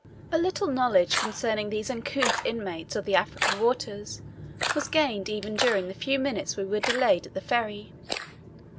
A little knowledge concerning these uncouth inmates of the African waters was gained even during the few minutes we were delayed at the ferry.